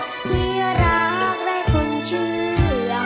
ที่รักได้คุณเชื่อมัน